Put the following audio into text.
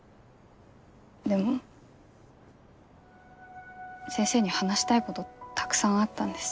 でも先生に話したいことたくさんあったんです。